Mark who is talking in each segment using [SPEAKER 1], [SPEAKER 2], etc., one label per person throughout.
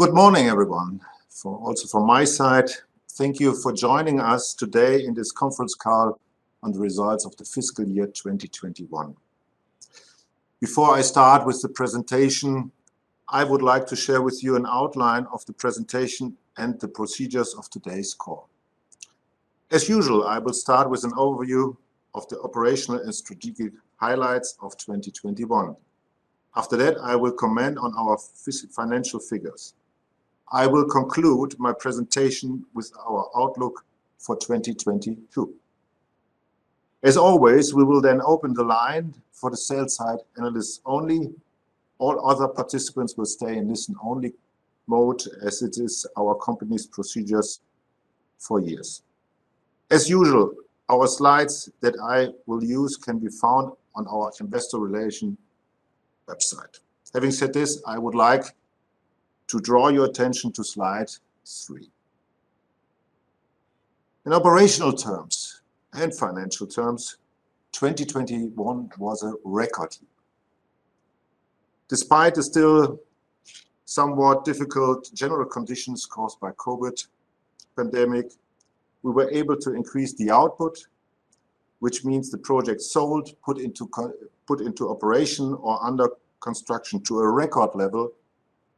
[SPEAKER 1] Good morning, everyone. Also from my side, thank you for joining us today in this conference call on the results of the fiscal year 2021. Before I start with the presentation, I would like to share with you an outline of the presentation and the procedures of today's call. As usual, I will start with an overview of the operational and strategic highlights of 2021. After that, I will comment on our financial figures. I will conclude my presentation with our outlook for 2022. As always, we will then open the line for the sell-side, and all other participants will stay in listen-only mode, as it is our company's procedures for years. As usual, our slides that I will use can be found on our investor relations website. Having said this, I would like to draw your attention to slide three. In operational terms and financial terms, 2021 was a record year. Despite the still somewhat difficult general conditions caused by COVID pandemic, we were able to increase the output, which means the project sold, put into operation or under construction, to a record level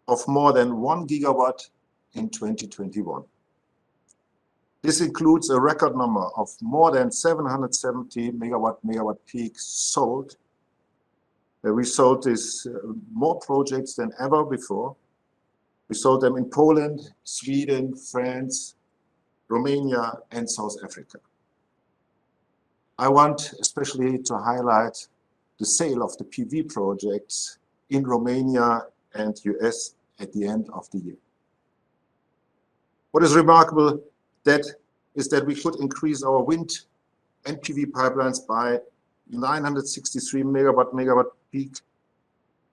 [SPEAKER 1] of more than 1 GW in 2021. This includes a record number of more than 770 MW peak sold. The result is more projects than ever before. We saw them in Poland, Sweden, France, Romania, and South Africa. I want especially to highlight the sale of the PV projects in Romania and U.S. at the end of the year. What is remarkable is that we could increase our wind and PV pipelines by 963 MW peak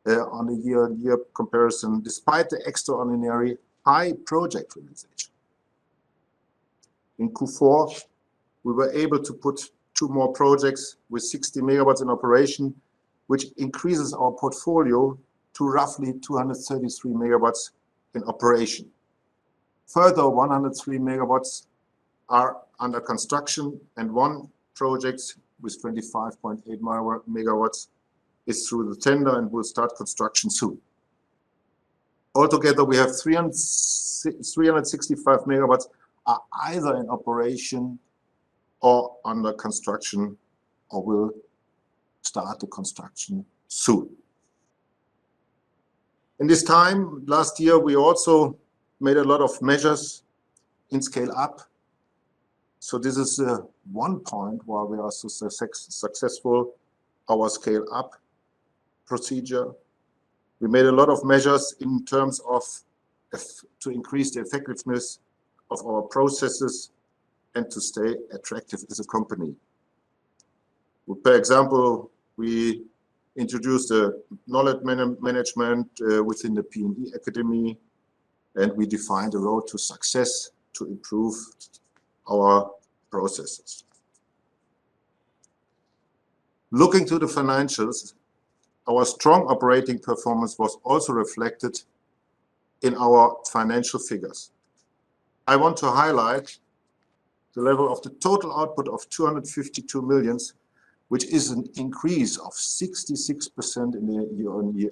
[SPEAKER 1] on a year-on-year comparison, despite the extraordinary high project realization. In Q4, we were able to put two more projects with 60 MW in operation, which increases our portfolio to roughly 233 MW in operation. Further, 103 MW are under construction, and one project with 25.8 MW is through the tender and will start construction soon. Altogether, we have 365 MW either in operation or under construction or will start the construction soon. In this time last year, we also made a lot of measures in Scale up. This is one point where we are successful, our Scale up procedure. We made a lot of measures in terms of to increase the effectiveness of our processes and to stay attractive as a company. For example, we introduced a knowledge management within the PNE Academy, and we defined the road to success to improve our processes. Looking to the financials, our strong operating performance was also reflected in our financial figures. I want to highlight the level of the total output of 252 million, which is an increase of 66% year-on-year.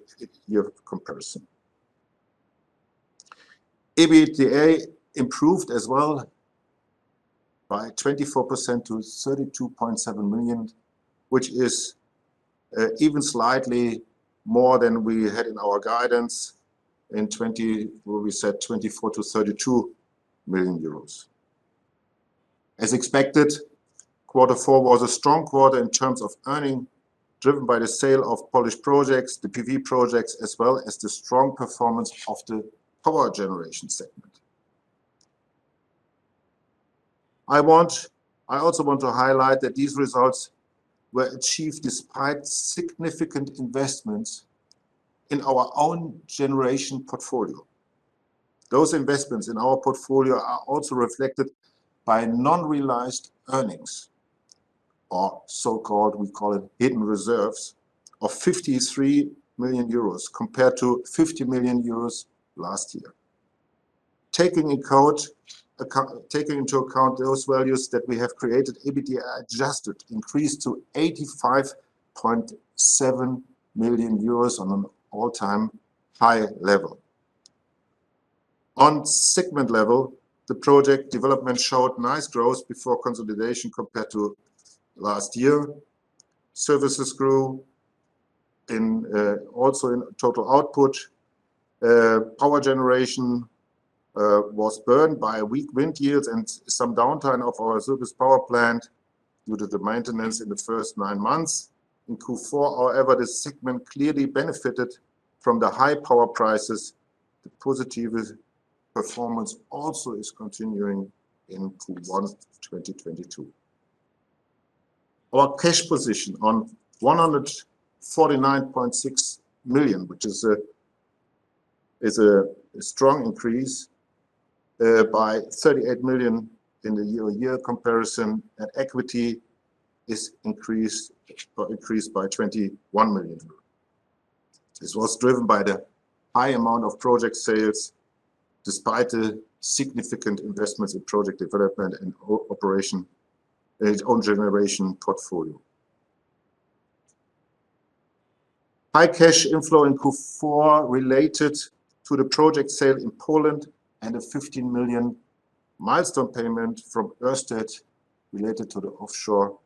[SPEAKER 1] EBITDA improved as well by 24% to 32.7 million, which is even slightly more than we had in our guidance in 2020, where we said 24 million-32 million euros. As expected, quarter four was a strong quarter in terms of earnings, driven by the sale of Polish projects, the PV projects, as well as the strong performance of the power generation segment. I also want to highlight that these results were achieved despite significant investments in our own generation portfolio. Those investments in our portfolio are also reflected by non-realized earnings or so-called, we call it hidden reserves, of 53 million euros compared to 50 million euros last year. Taking into account those values that we have created, EBITDA Adjusted increased to 85.7 million euros on an all-time high level. On segment level, the Project Development showed nice growth before consolidation compared to last year. Services grew in also in total output. Power Generation was burdened by weak wind yields and some downtime of our service power plant due to the maintenance in the first nine months. In Q4, however, this segment clearly benefited from the high power prices. The positive performance also is continuing in Q1 2022. Our cash position 149.6 million, which is a strong increase by 38 million in the year-over-year comparison, and equity is increased by 21 million. This was driven by the high amount of project sales despite the significant investments in project development and operation, its own generation portfolio. High cash inflow in Q4 related to the project sale in Poland and a 15 million milestone payment from Ørsted related to the offshore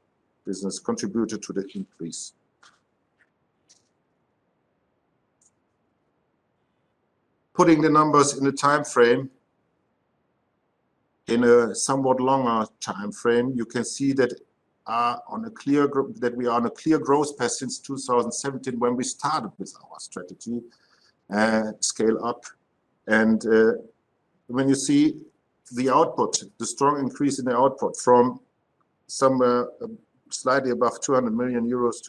[SPEAKER 1] business contributed to the increase. Putting the numbers in a timeframe, in a somewhat longer timeframe, you can see that we are on a clear growth path since 2017 when we started with our strategy, Scale up. When you see the output, the strong increase in the output from somewhere slightly above 200 MW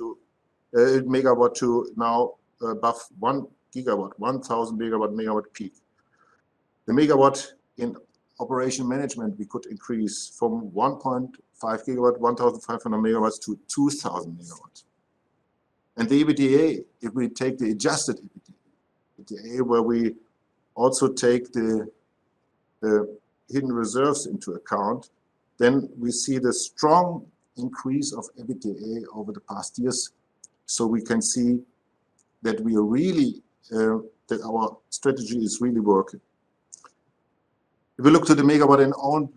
[SPEAKER 1] to now above 1 GW, 1,000 MW peak. The megawatt in operation management, we could increase from 1.5 GW, [1,500] MW to 2,000 MW. The EBITDA, if we take the Adjusted EBITDA, where we also take the hidden reserves into account, then we see the strong increase of EBITDA over the past years. We can see that our strategy is really working. If we look to the megawatt in own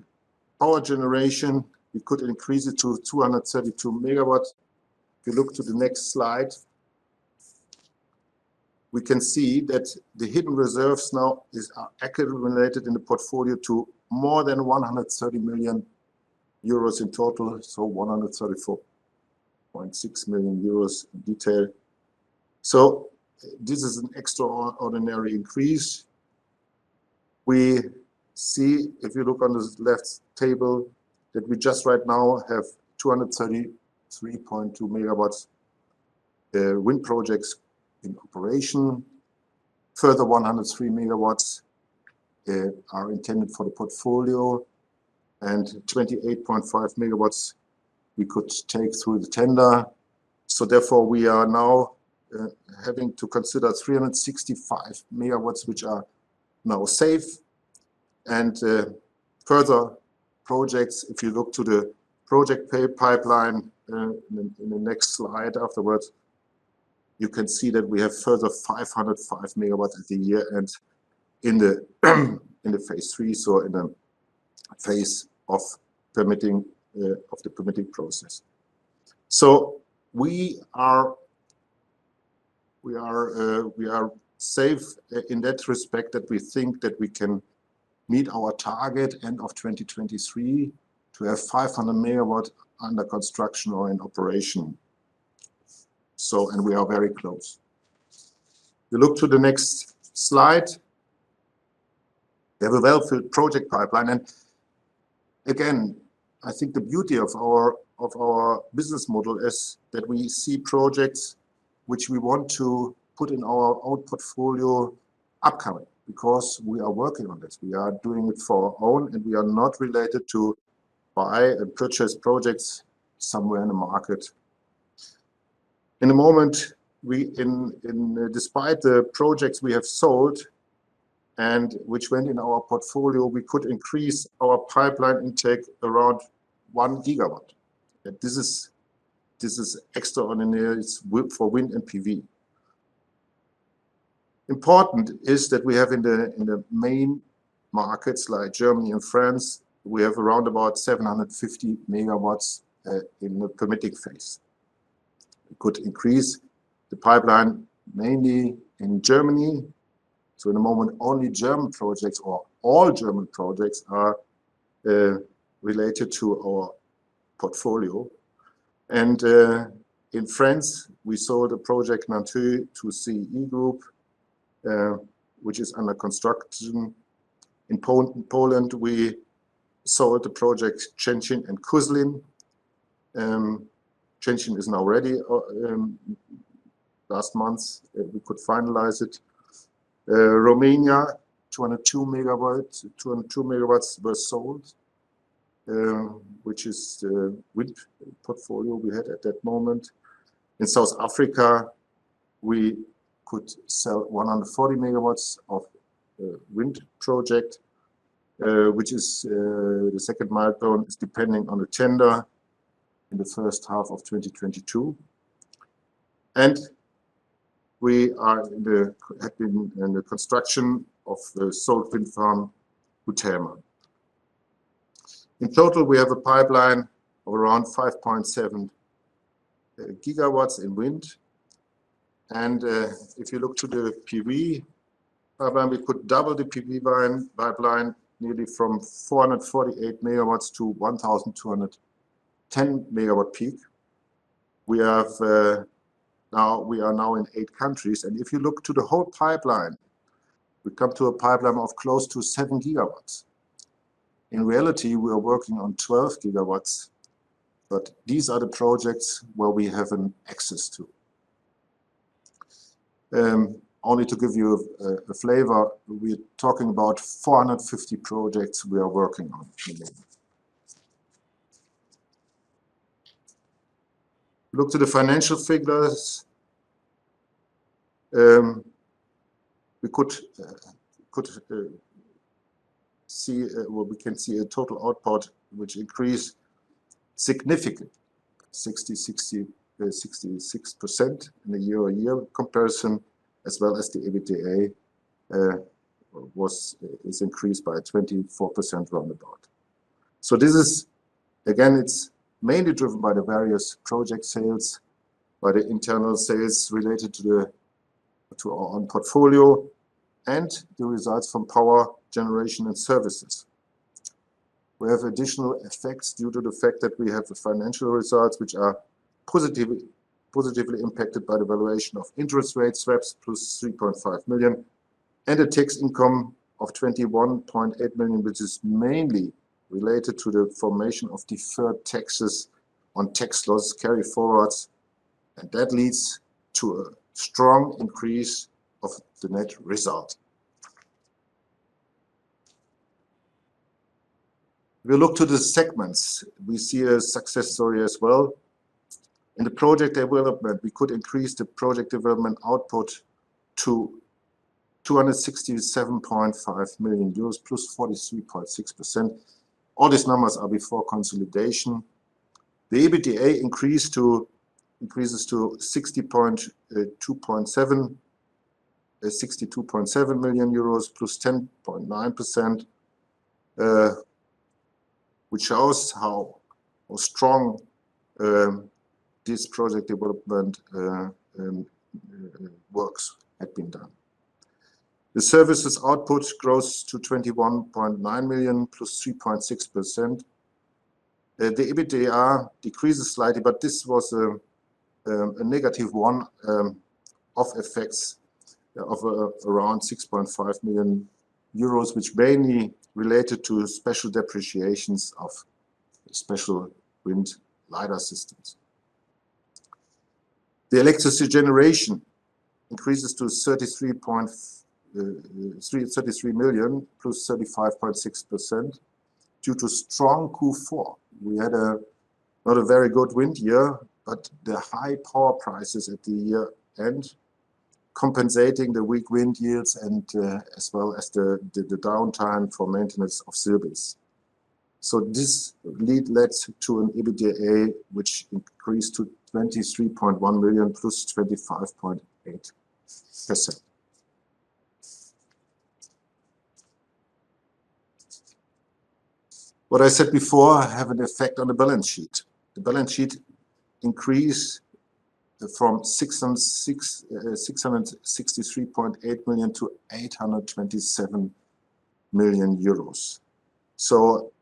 [SPEAKER 1] power generation, we could increase it to 272 MW. If you look to the next slide, we can see that the hidden reserves now are accumulated in the portfolio to more than 130 million euros in total, so 134.6 million euros in detail. This is an extraordinary increase. We see, if you look on the left table, that we just right now have 233.2 MW wind projects in operation. Further 103 MW are intended for the portfolio, and 28.5 MW we could take through the tender. Therefore, we are now having to consider 365 MW which are now safe. Further projects, if you look to the project pipeline in the next slide afterwards, you can see that we have further 505 MW in the year and in the phase III, so in a phase of permitting of the permitting process. We are safe in that respect that we think that we can meet our target end of 2023 to have 500 MW under construction or in operation. We are very close. If you look to the next slide, we have a well-filled project pipeline. I think the beauty of our business model is that we see projects which we want to put in our own portfolio upcoming because we are working on this. We are doing it for our own, and we are not looking to buy and purchase projects somewhere in the market. In the moment, despite the projects we have sold and which went in our portfolio, we could increase our pipeline intake around 1 GW. This is extraordinary. It's for wind and PV. Important is that we have in the main markets like Germany and France, we have around 750 MW in the permitting phase. We could increase the pipeline mainly in Germany. In the moment, only German projects or all German projects are related to our portfolio. In France, we sold a project, Nanteuil, to CEE Group, which is under construction. In Poland, we sold the project Krzecin and Kuslin. Krzecin is now ready. Last month, we could finalize it. Romania, 202 MW. 202 MW were sold, which is the wind portfolio we had at that moment. In South Africa, we could sell 140 MW of wind project, which is, the second milestone is depending on the tender in the first half of 2022. We are in the construction of the [Solfin] Farm [Hultema]. In total, we have a pipeline of around 5.7 GW in wind. If you look to the PV pipeline, we could double the PV pipeline nearly from 448 MW to 1,210 MW peak. We are now in eight countries. If you look to the whole pipeline, we come to a pipeline of close to 7 GW. In reality, we are working on 12 GW, but these are the projects where we have access to. Only to give you a flavor, we're talking about 450 projects we are working on. Look to the financial figures. We can see a total output which increased significantly, 66% in the year-on-year comparison, as well as the EBITDA is increased by 24% roundabout. This is again mainly driven by the various project sales, by the internal sales related to our own portfolio and the results from power generation and services. We have additional effects due to the fact that we have the financial results, which are positively impacted by the valuation of interest rate swaps, 3.5 million, and a tax income of 21.8 million, which is mainly related to the formation of deferred taxes on tax loss carryforwards, and that leads to a strong increase of the net result. We look to the segments, we see a success story as well. In the project development, we could increase the project development output to EUR 267.5 million, [+43.6%]. All these numbers are before consolidation. The EBITDA increases to EUR 62.7 million, +10.9%, which shows how strong this project development works had been done. The services output grows to 21.9 million, +3.6%. The EBITDA decreases slightly, but this was a negative one-off effects of around 6.5 million euros, which mainly related to special depreciations of special wind LiDAR systems. The electricity generation increases to EUR 33 million, +35.6% due to strong Q4. We had not a very good wind year, but the high-power prices at the year-end compensating the weak wind yields and as well as the downtime for maintenance of service. This leads to an EBITDA which increased to 23.1 million, +25.8%. What I said before have an effect on the balance sheet. The balance sheet increased from 663.8 million to 827 million euros.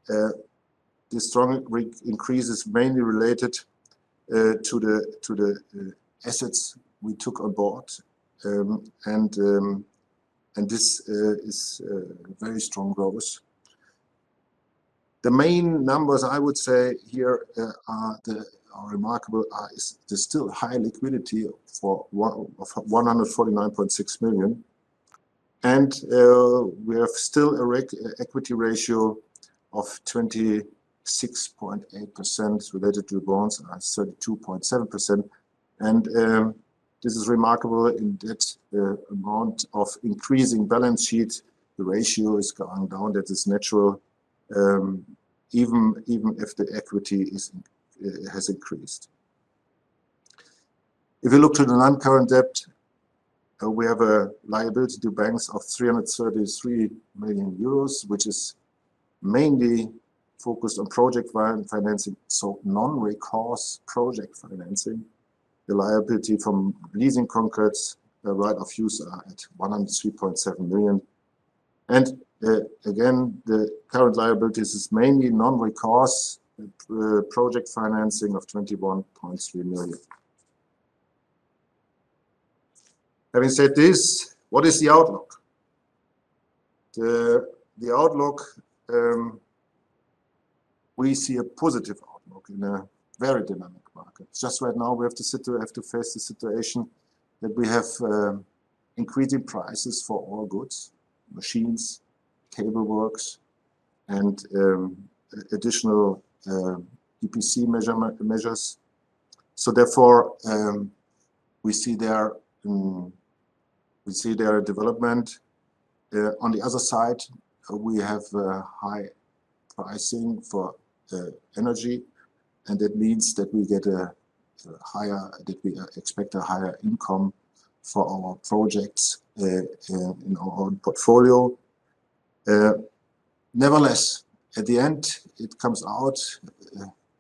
[SPEAKER 1] The strong increase is mainly related to the assets we took on board. This is very strong growth. The main numbers I would say here are remarkable. There's still high liquidity of 149.6 million. We have still an equity ratio of 26.8% related to bonds at 32.7%. This is remarkable in that the amount of increasing balance sheet, the ratio is going down. That is natural, even if the equity has increased. If you look to the non-current debt, we have a liability to banks of 333 million euros, which is mainly focused on project financing, so non-recourse project financing. The liability from leasing contracts, the right of use are at 103.7 million. Again, the current liabilities is mainly non-recourse project financing of 21.3 million. Having said this, what is the outlook? We see a positive outlook in a very dynamic market. Just right now, we have to face the situation that we have increasing prices for all goods, machines, cable works, and additional EPC measures. We see their development. On the other side, we have high pricing for energy, and that means that we expect a higher income for our projects in our own portfolio. Nevertheless, at the end, it comes out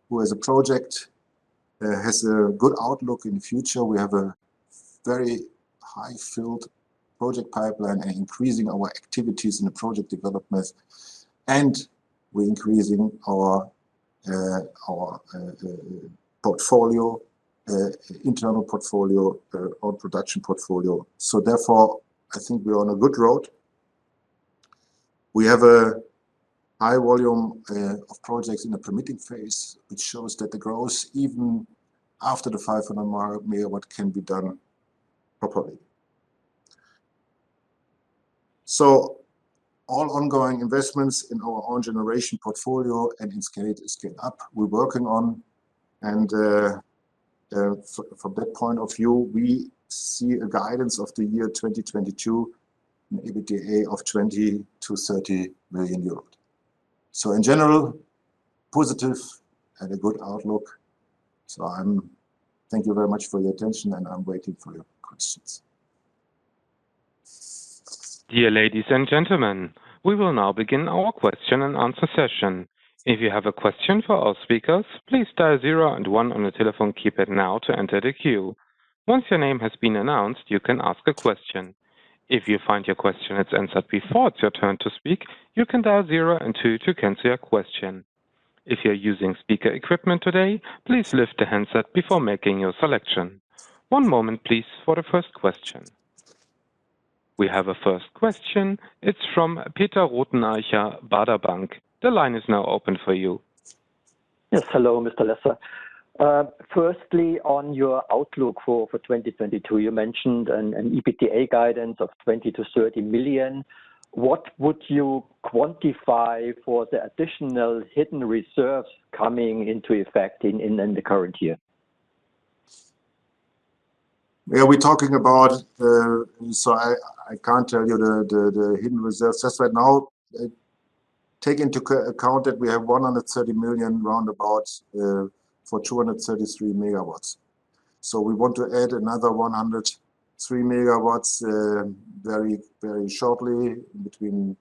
[SPEAKER 1] where the project has a good outlook in the future. We have a very highly filled project pipeline and increasing our activities in the project development. We're increasing our internal portfolio, our production portfolio. Therefore, I think we're on a good road. We have a high volume of projects in the permitting phase, which shows that the growth, even after the 500 MW, can be done properly. All ongoing investments in our own generation portfolio and in Scale up, we're working on. From that point of view, we see a guidance of the year 2022 and EBITDA of 20 million-30 million euros. In general, positive and a good outlook. Thank you very much for your attention, and I'm waiting for your questions.
[SPEAKER 2] Dear ladies and gentlemen, we will now begin our question and answer session. If you have a question for our speakers, please dial zero and one on your telephone keypad now to enter the queue. Once your name has been announced, you can ask a question. If you find your question is answered before it's your turn to speak, you can dial zero and two to cancel your question. If you're using speaker equipment today, please lift the handset before making your selection. One moment please for the first question. We have a first question. It's from Peter Rothenaicher, Baader Bank. The line is now open for you.
[SPEAKER 3] Yes. Hello, Mr. Lesser. Firstly, on your outlook for 2022, you mentioned an EBITDA guidance of 20 million-30 million. What would you quantify for the additional hidden reserves coming into effect in the current year?
[SPEAKER 1] Yeah, we're talking about. I can't tell you the hidden reserves just right now. Take into account that we have 130 million round about for 233 MW. We want to add another 103 MW very shortly between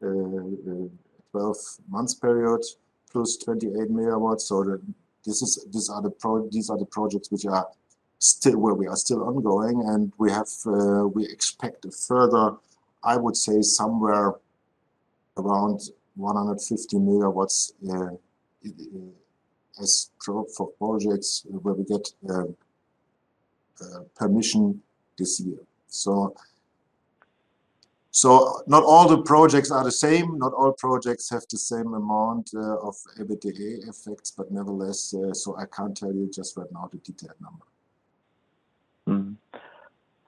[SPEAKER 1] 12 months period, +28 MW. These are the projects which are still ongoing, and we expect a further. I would say, somewhere around 150 MW as scope for projects where we get permission this year. Not all the projects are the same. Not all projects have the same amount of EBITDA effects, but nevertheless, I can't tell you just right now the detailed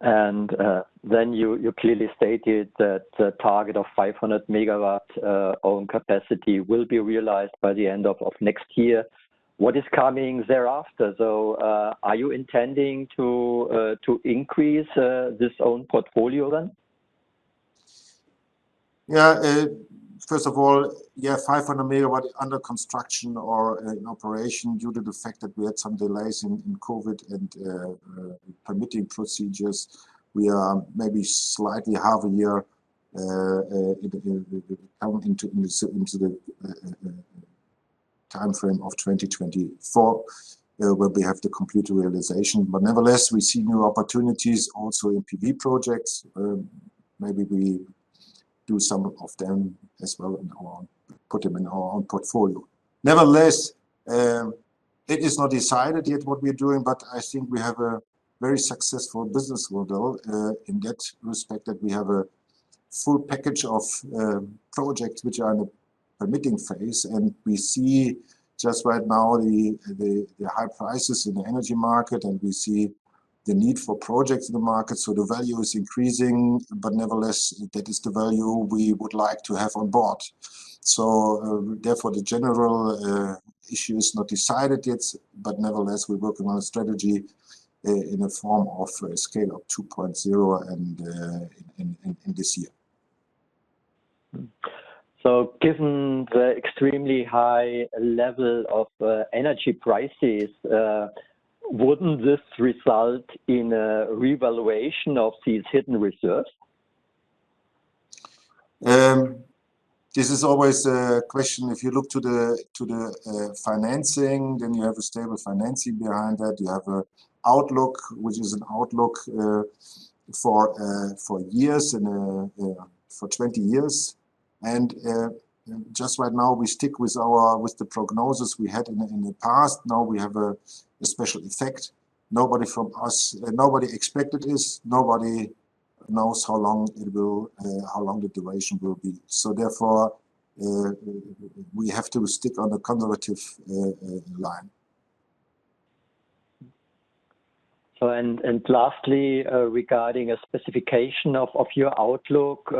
[SPEAKER 1] number.
[SPEAKER 3] You clearly stated that the target of 500 MW own capacity will be realized by the end of next year. What is coming thereafter, though? Are you intending to increase this own portfolio then?
[SPEAKER 1] First of all, 500 MW under construction or in operation due to the fact that we had some delays in COVID and permitting procedures. We are maybe slightly half a year into the time frame of 2024, where we have to complete the realization. Nevertheless, we see new opportunities also in PV projects. Maybe we do some of them as well in our own portfolio. Nevertheless, it is not decided yet what we're doing, but I think we have a very successful business model in that respect, that we have a full package of projects which are in the permitting phase. We see just right now the high prices in the energy market, and we see the need for projects in the market, so the value is increasing. Nevertheless, that is the value we would like to have on board. Therefore, the general issue is not decided yet, but nevertheless, we're working on a strategy in a form of Scale up 2.0 and in this year.
[SPEAKER 3] Given the extremely high level of energy prices, wouldn't this result in a revaluation of these hidden reserves?
[SPEAKER 1] This is always a question. If you look to the financing, then you have a stable financing behind that. You have an outlook, which is an outlook for years and for 20 years. Just right now, we stick with the prognosis we had in the past. Now we have a special effect. Nobody expected this. Nobody knows how long the duration will be. Therefore, we have to stick to a conservative line.
[SPEAKER 3] Lastly, regarding a specification of your outlook,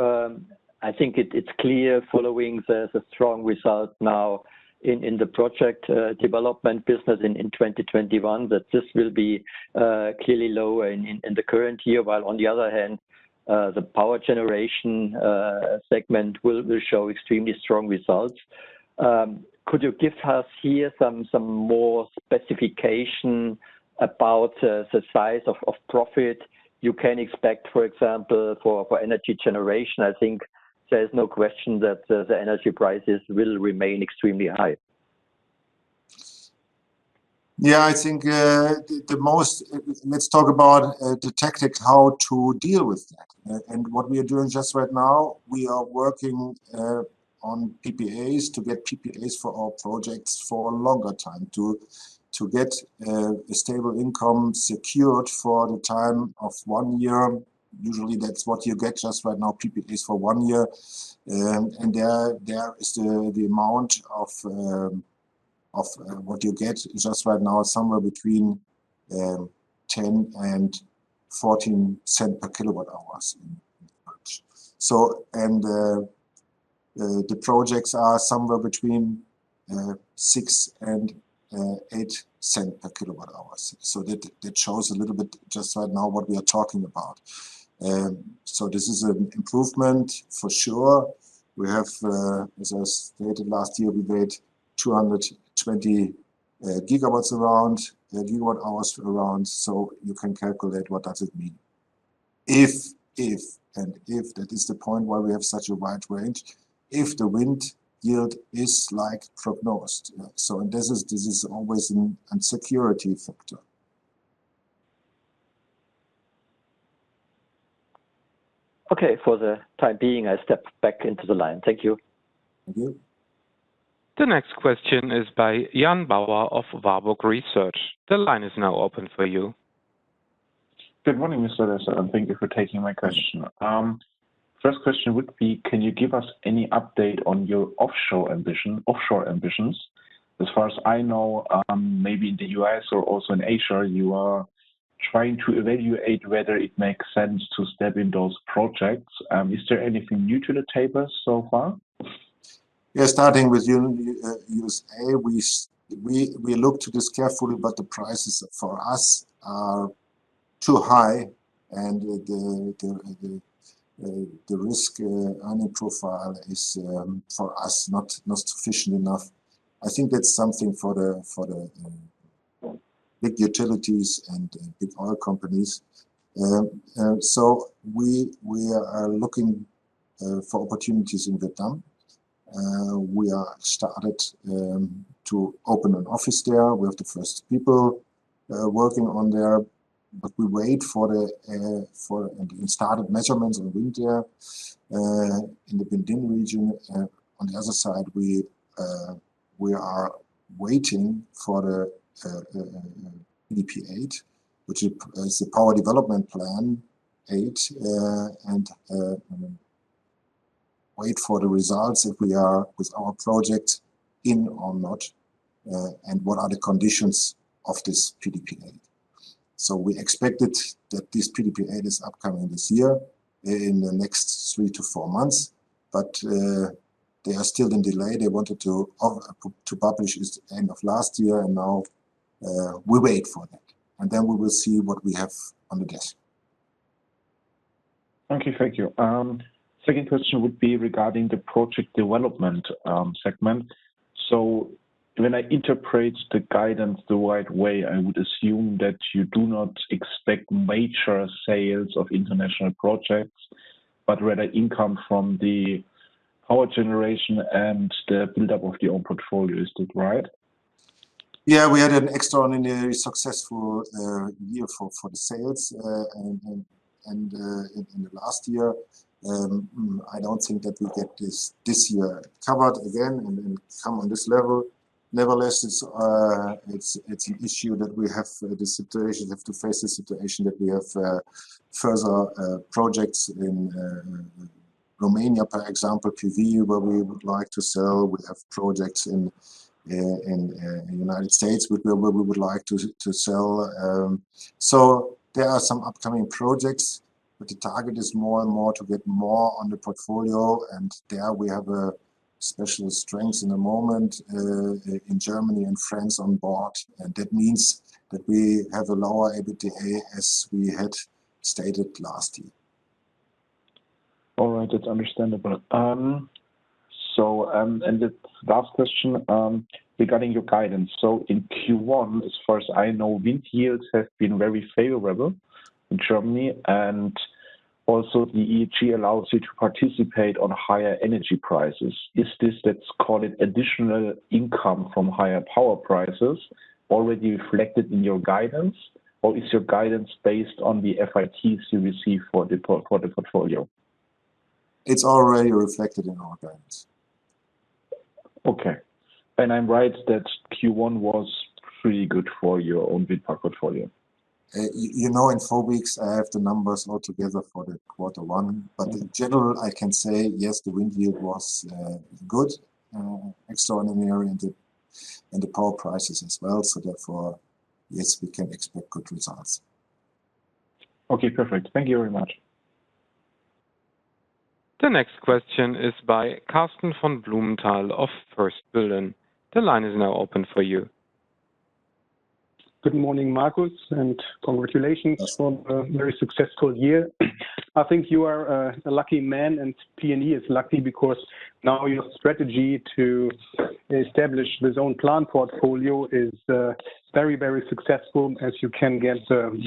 [SPEAKER 3] I think it's clear following the strong result now in the project development business in 2021 that this will be clearly lower in the current year, while on the other hand, the power generation segment will show extremely strong results. Could you give us here some more specification about the size of profit you can expect, for example, for energy generation? I think there is no question that the energy prices will remain extremely high.
[SPEAKER 1] Yeah, I think. Let's talk about the tactics how to deal with that. What we are doing just right now, we are working on PPAs to get PPAs for our projects for a longer time to get a stable income secured for the time of one year. Usually that's what you get just right now, PPAs for one year. There is the amount of what you get just right now is somewhere between 0.10-0.14 per kWh in March. The projects are somewhere between EUR 0.6-EUR 0.8 per kWh. That shows a little bit just right now what we are talking about. This is an improvement for sure. We have, as I stated last year, we made 220 GW hours around, so you can calculate what does it mean. If that is the point why we have such a wide range, if the wind yield is like from north. This is always an uncertainty factor.
[SPEAKER 3] Okay. For the time being, I step back into the line. Thank you.
[SPEAKER 1] Thank you.
[SPEAKER 2] The next question is by Jan Bauer of Warburg Research. The line is now open for you.
[SPEAKER 4] Good morning, Mr. Lesser, and thank you for taking my question. First question would be, can you give us any update on your offshore ambitions? As far as I know, maybe in the U.S. or also in Asia, you are trying to evaluate whether it makes sense to step in those projects. Is there anything new to the table so far?
[SPEAKER 1] Starting with USA, we look to this carefully, but the prices for us are too high and the risk profile is for us not sufficient enough. I think that's something for the big utilities and big oil companies. We are looking for opportunities in Vietnam. We have started to open an office there. We have the first people working there, but we wait. We started measurements on wind there in the Binh Dinh region. On the other side, we are waiting for the PDP8, which is the Power Development Plan 8, and wait for the results if we are with our project in or not, and what are the conditions of this PDP8. We expected that this PDP8 is upcoming this year in the next three to four months. They are still in delay. They wanted to publish it end of last year, and now we wait for that, and then we will see what we have on the desk.
[SPEAKER 4] Okay. Thank you. Second question would be regarding the project development segment. When I interpret the guidance the right way, I would assume that you do not expect major sales of international projects, but rather income from the power generation and the build-up of the own portfolio. Is that right?
[SPEAKER 1] Yeah. We had an extraordinarily successful year for the sales. In the last year, I don't think that we get this year covered again and come on this level. Nevertheless, it's an issue that we have to face the situation that we have further projects in Romania, for example, PV, where we would like to sell. We have projects in United States where we would like to sell. There are some upcoming projects, but the target is more and more to get more on the portfolio. There we have special strengths in the moment in Germany and France on board, and that means that we have a lower EBITDA, as we had stated last year.
[SPEAKER 4] All right. That's understandable. The last question regarding your guidance. In Q1, as far as I know, wind yields have been very favorable in Germany, and also the EEG allows you to participate on higher energy prices. Is this, let's call it additional income from higher power prices, already reflected in your guidance, or is your guidance based on the FIT you receive for the portfolio?
[SPEAKER 1] It's already reflected in our guidance.
[SPEAKER 4] Okay. I'm right that Q1 was pretty good for your own wind park portfolio?
[SPEAKER 1] You know, in four weeks I have the numbers all together for the quarter one.
[SPEAKER 4] Mm-hmm.
[SPEAKER 1] In general, I can say yes, the wind yield was good, extraordinary, and the power prices as well. Therefore, yes, we can expect good results.
[SPEAKER 4] Okay, perfect. Thank you very much.
[SPEAKER 2] The next question is by Karsten von Blumenthal of First Berlin. The line is now open for you.
[SPEAKER 5] Good morning, Markus, and congratulations.
[SPEAKER 1] Yes.
[SPEAKER 5] For a very successful year. I think you are a lucky man, and PNE is lucky because now your strategy to establish this own plant portfolio is very, very successful as you can get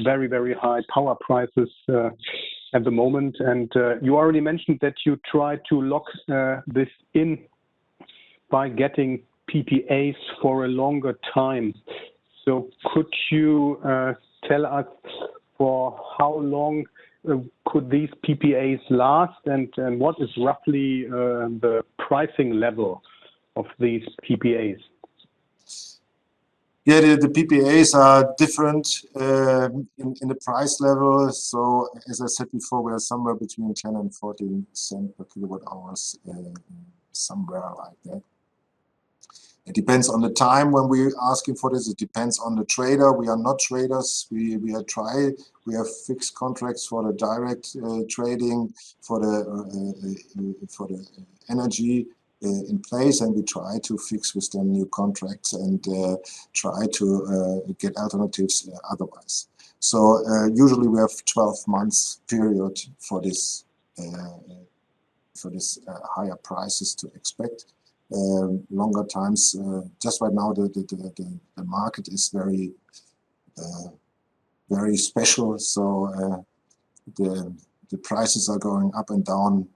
[SPEAKER 5] very, very high power prices at the moment. You already mentioned that you try to lock this in by getting PPAs for a longer time. Could you tell us for how long could these PPAs last and what is roughly the pricing level of these PPAs?
[SPEAKER 1] Yeah, the PPAs are different in the price level. As I said before, we are somewhere between 0.10 and 0.14 per kWh, somewhere like that. It depends on the time when we're asking for this. It depends on the trader. We are not traders. We have fixed contracts for the direct trading for the energy in place, and we try to fix with the new contracts and try to get alternatives otherwise. Usually we have 12 months period for this higher prices to expect longer times. Just right now the market is very special. The prices are going up and down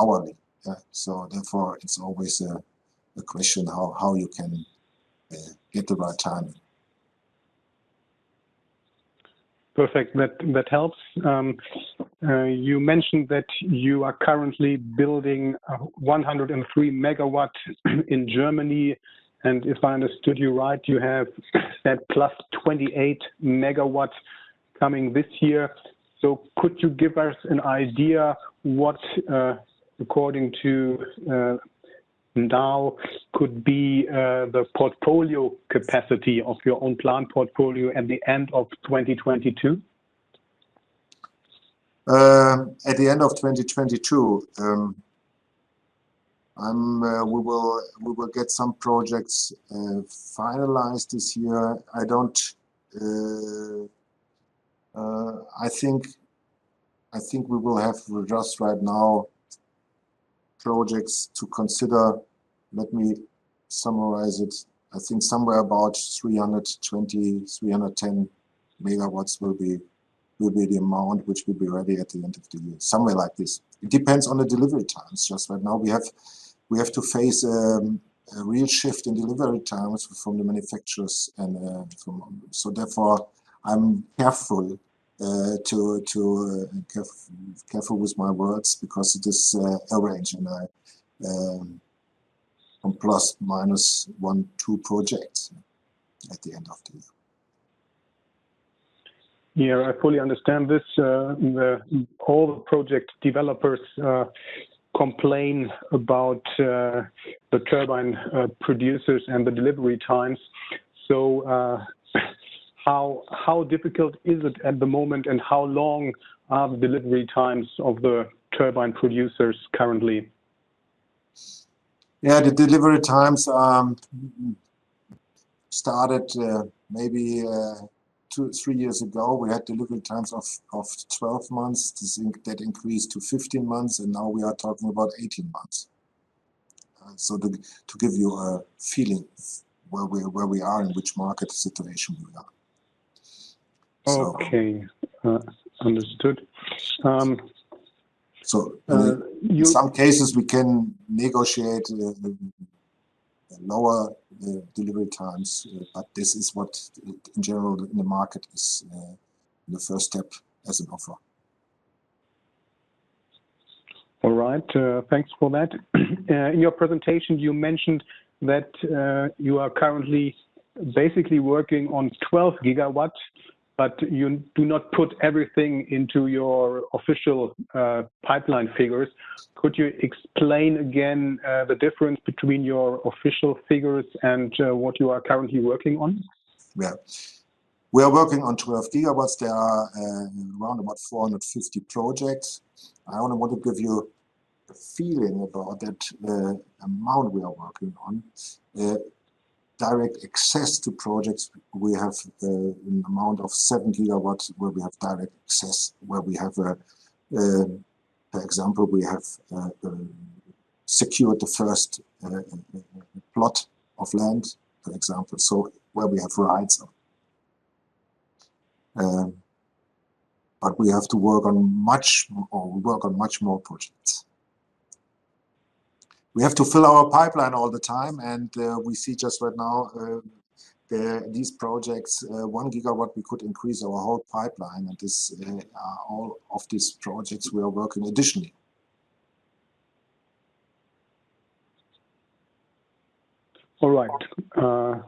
[SPEAKER 1] hourly. Therefore it's always a question how you can get the right timing.
[SPEAKER 5] Perfect. That helps. You mentioned that you are currently building 103 MW in Germany, and if I understood you right, you have and +28 MW coming this year. Could you give us an idea what according to now could be the portfolio capacity of your own plant portfolio at the end of 2022?
[SPEAKER 1] At the end of 2022, we will get some projects finalized this year. I think we will have just right now projects to consider. Let me summarize it. I think somewhere about 310 MW-320 MW will be the amount which will be ready at the end of the year. Somewhere like this. It depends on the delivery times. Just right now we have to face a real shift in delivery times from the manufacturers and from. Therefore, I'm too careful with my words because it is a range and I ±1, two projects at the end of the year.
[SPEAKER 5] Yeah, I fully understand this. All the project developers complain about the turbine producers and the delivery times. How difficult is it at the moment, and how long are the delivery times of the turbine producers currently?
[SPEAKER 1] Yeah. The delivery times started maybe two, three years ago. We had delivery times of 12 months. This increased to 15 months, and now we are talking about 18 months. To give you a feeling where we are and which market situation we are.
[SPEAKER 5] Okay. Understood.
[SPEAKER 1] In some cases we can negotiate the lower the delivery times, but this is what in general the market is, the first step as an offer.
[SPEAKER 5] All right. Thanks for that. In your presentation you mentioned that you are currently basically working on 12 GW, but you do not put everything into your official pipeline figures. Could you explain again the difference between your official figures and what you are currently working on?
[SPEAKER 1] Yeah. We are working on 12 GW. There are around about 450 projects. I only want to give you a feeling about that amount we are working on. Direct access to projects, we have an amount of 7 GW where we have direct access, for example, we have secured the first plot of land, for example, so where we have rights. We have to work on much more. We work on much more projects. We have to fill our pipeline all the time. We see just right now these projects. 1 GW we could increase our whole pipeline. All of these projects we are working additionally.
[SPEAKER 5] All right.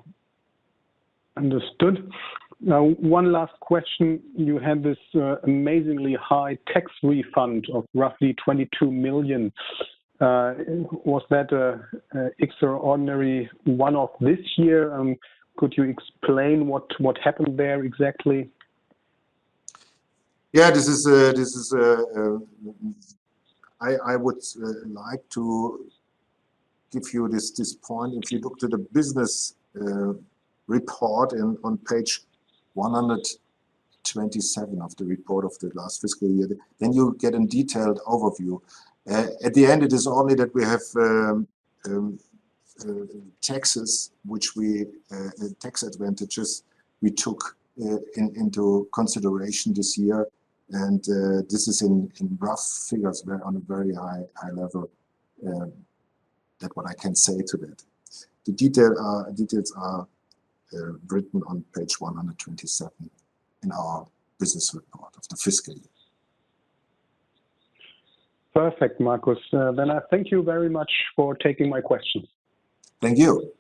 [SPEAKER 5] Understood. Now one last question. You have this, amazingly high tax refund of roughly 22 million. Was that a extraordinary one-off this year? Could you explain what happened there exactly?
[SPEAKER 1] I would like to give you this point. If you look to the business report on page 127 of the report of the last fiscal year, you'll get a detailed overview. At the end it is only that we have tax advantages we took into consideration this year. This is in rough figures. We're on a very high level that's what I can say to that. The details are written on page 127 in our business report of the fiscal year.
[SPEAKER 3] Perfect, Markus. I thank you very much for taking my questions.
[SPEAKER 1] Thank you.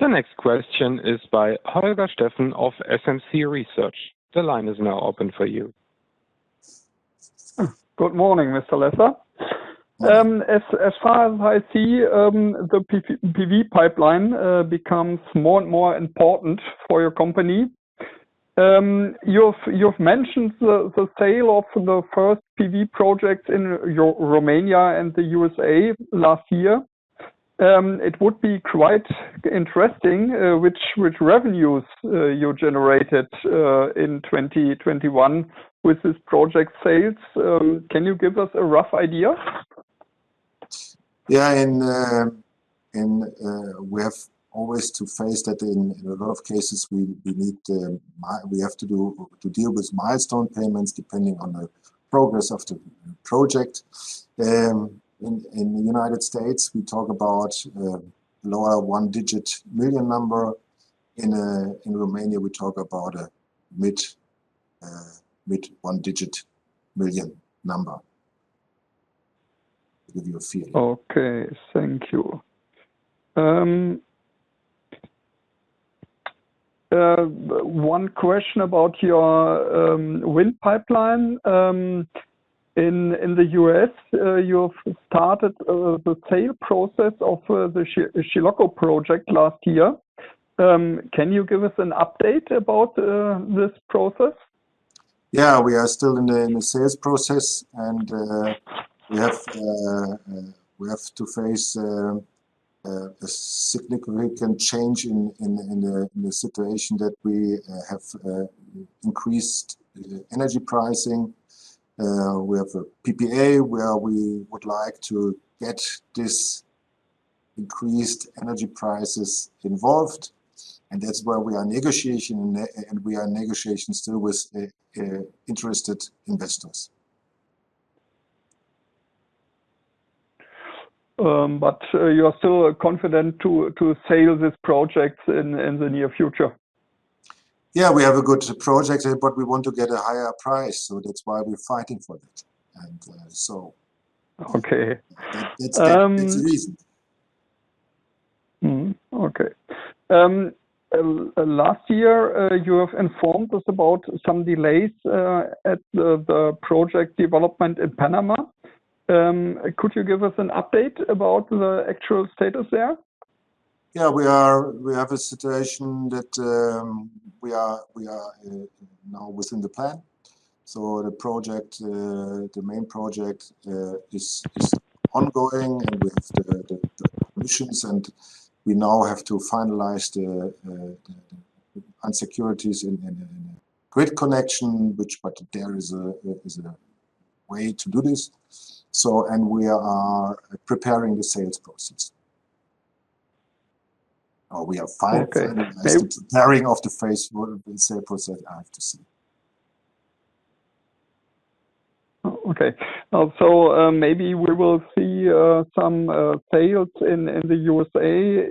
[SPEAKER 2] The next question is by Holger Steffen of SMC Research. The line is now open for you.
[SPEAKER 6] Good morning, Mr. Lesser.
[SPEAKER 1] Morning.
[SPEAKER 6] As far as I see, the PV pipeline becomes more and more important for your company. You've mentioned the sale of the first PV projects in Romania and the USA last year. It would be quite interesting which revenues you generated in 2021 with this project sales. Can you give us a rough idea?
[SPEAKER 1] Yeah, we have always to face that in a lot of cases, we need to deal with milestone payments depending on the progress of the project. In the United States, we talk about lower 1 million number. In Romania, we talk about a mid 1 million number with.
[SPEAKER 6] Okay. Thank you. One question about your wind pipeline in the U.S. You've started the sale process of the Chilocco project last year. Can you give us an update about this process?
[SPEAKER 1] Yeah, we are still in the sales process, and we have to face a significant change in the situation that we have increased energy pricing. We have a PPA where we would like to get this increased energy prices involved, and that's why we are negotiating, and we are in negotiations still with interested investors.
[SPEAKER 6] you are still confident to sell this project in the near future?
[SPEAKER 1] Yeah. We have a good project here, but we want to get a higher price, so that's why we're fighting for that. So.
[SPEAKER 6] Okay.
[SPEAKER 1] That's the reason.
[SPEAKER 6] Okay. Last year, you have informed us about some delays at the project development in Panama. Could you give us an update about the actual status there?
[SPEAKER 1] We have a situation that we are now within the plan. The main project is ongoing, and we have the permissions, and we now have to finalize the uncertainties in a grid connection, which, but there is a way to do this. We are preparing the sales process. Or we have finalized-
[SPEAKER 6] Okay.
[SPEAKER 1] The preparation of the phase would have been sales process, I have to say.
[SPEAKER 6] Maybe we will see some sales in the USA,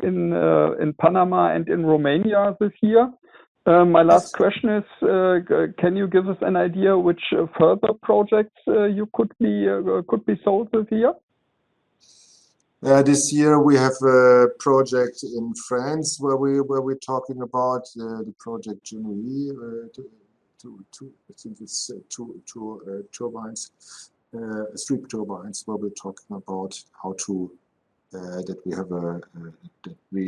[SPEAKER 6] in Panama, and in Romania this year. My last question is, can you give us an idea which further projects could be sold this year?
[SPEAKER 1] This year we have a project in France where we're talking about the project [Jasna wind], I think it's two turbines, three turbines, where we're talking about how we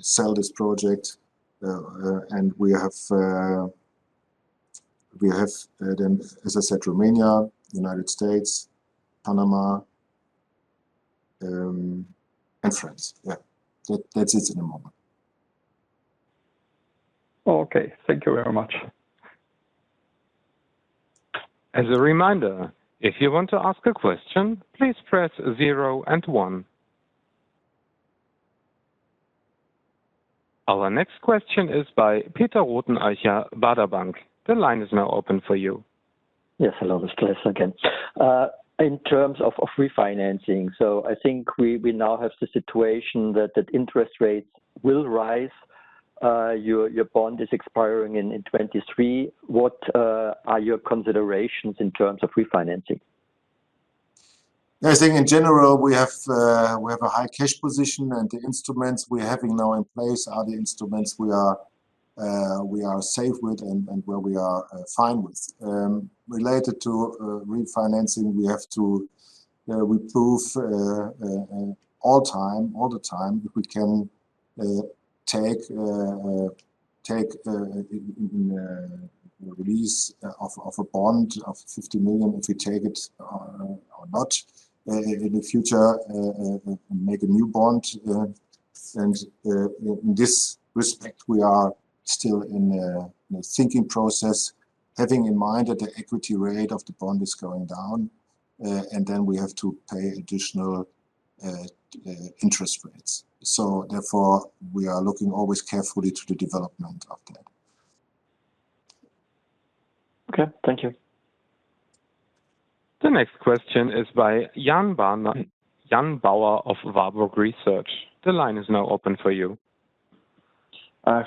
[SPEAKER 1] sell this project. We have, then, as I said, Romania, United States, Panama, and France. That's it at the moment.
[SPEAKER 6] Okay. Thank you very much.
[SPEAKER 2] Our next question is by Peter Rothenaicher, Baader Bank. The line is now open for you.
[SPEAKER 3] Yes. Hello, Mr. Lesser again. In terms of refinancing, I think we now have the situation that the interest rates will rise. Your bond is expiring in 2023. What are your considerations in terms of refinancing?
[SPEAKER 1] I think in general, we have a high cash position, and the instruments we're having now in place are the instruments we are safe with and where we are fine with. Related to refinancing, we have to prove all the time that we can take release of a bond of 50 million, if we take it or not. In the future, make a new bond. In this respect, we are still in a thinking process, having in mind that the equity rate of the bond is going down. Then we have to pay additional interest rates. We are looking always carefully to the development of that.
[SPEAKER 3] Okay. Thank you.
[SPEAKER 2] The next question is by Jan Bauer of Warburg Research. The line is now open for you.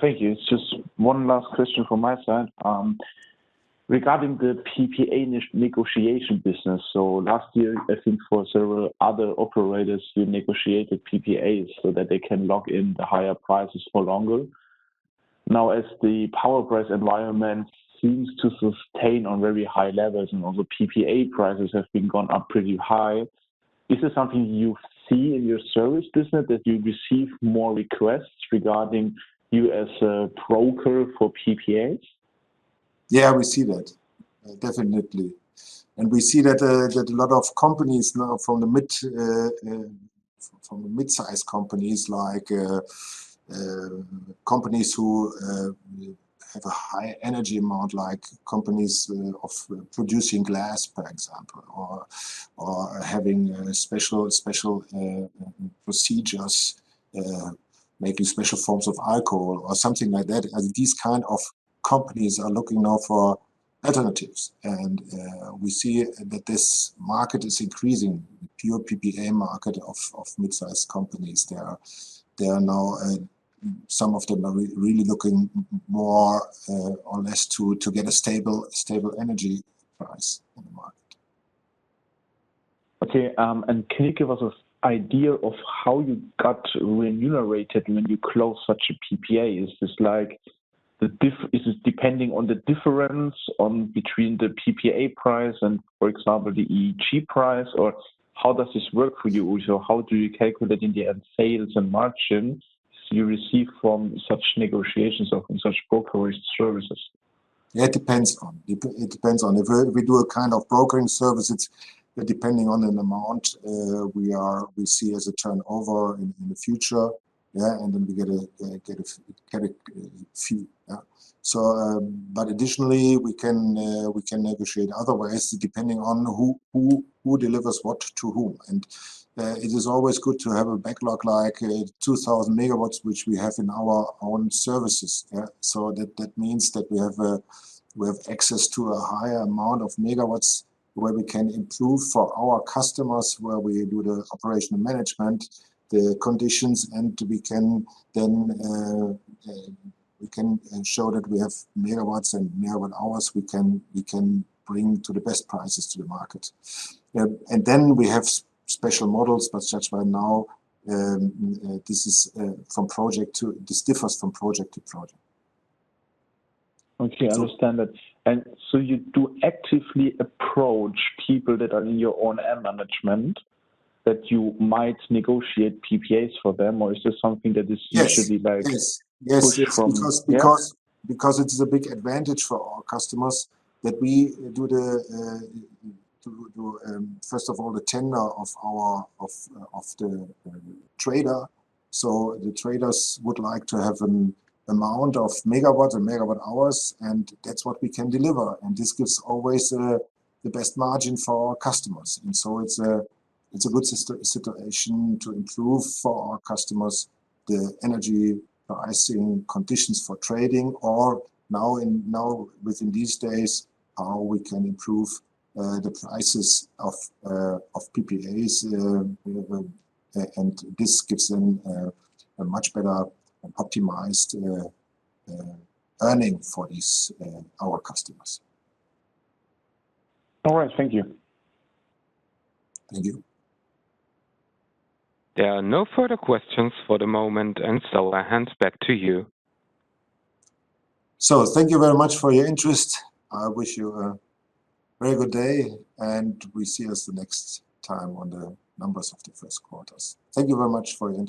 [SPEAKER 4] Thank you. It's just one last question from my side. Regarding the PPA negotiation business. Last year, I think for several other operators who negotiated PPAs so that they can lock in the higher prices for longer. Now, as the power price environment seems to sustain on very high levels and all the PPA prices have gone up pretty high, is this something you see in your service business that you receive more requests regarding you as a broker for PPAs?
[SPEAKER 1] Yeah, we see that. Definitely. We see that a lot of companies now from the mid-sized companies, like companies who have a high energy amount, like companies of producing glass, for example, or having special procedures making special forms of alcohol or something like that. These kind of companies are looking now for alternatives. We see that this market is increasing, the pure PPA market of mid-sized companies. There are now some of them are really looking more or less to get a stable energy price in the market.
[SPEAKER 4] Okay. Can you give us an idea of how you got remunerated when you close such a PPA? Is this depending on the difference between the PPA price and, for example, the EEG price, or how does this work for you? How do you calculate in the end sales and margins you receive from such negotiations, and such brokerage services?
[SPEAKER 1] It depends on if we do a kind of brokering service. It's depending on an amount we see as a turnover in the future, and then we get a fee. But additionally, we can negotiate otherwise depending on who delivers what to whom. It is always good to have a backlog like 2,000 MW, which we have in our own services. That means that we have access to a higher amount of megawatts where we can improve for our customers, where we do the operational management, the conditions, and we can then ensure that we have megawatts and megawatt hours we can bring to the best prices to the market. We have special models, but such by now, this is from project to project. This differs from project to project.
[SPEAKER 4] Okay. I understand that. You do actively approach people that are in your own end management that you might negotiate PPAs for them, or is this something that is usually like?
[SPEAKER 1] Yes. Yes...
[SPEAKER 4] pushed from-
[SPEAKER 1] Yes. Because it is a big advantage for our customers that we do first of all the tender of our trader. The traders would like to have an amount of megawatts and megawatt hours, and that's what we can deliver, and this gives always the best margin for our customers. It's a good situation to improve for our customers the energy pricing conditions for trading or now within these days how we can improve the prices of PPAs, and this gives them a much better optimized earnings for our customers.
[SPEAKER 4] All right. Thank you.
[SPEAKER 1] Thank you.
[SPEAKER 2] There are no further questions for the moment, and so I hand back to you.
[SPEAKER 1] Thank you very much for your interest. I wish you a very good day, and we see you the next time on the numbers of the first quarters. Thank you very much for your interest.